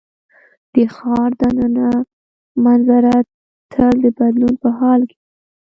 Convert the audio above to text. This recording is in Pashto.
د ښار د ننه منظره تل د بدلون په حال کې وه.